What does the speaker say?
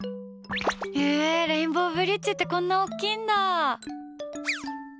へえ、レインボーブリッジってこんなに大きいんだ。